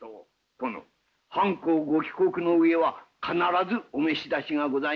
殿藩公ご帰国の上は必ずお召し出しがございましょう。